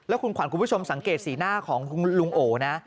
คุณขวัญคุณผู้ชมสังเกตสีหน้าของลุงโอนะ